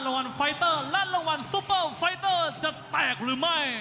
วันไฟเตอร์และรางวัลซูเปอร์ไฟเตอร์จะแตกหรือไม่